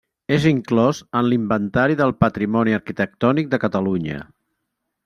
És inclòs en l'Inventari del Patrimoni Arquitectònic de Catalunya.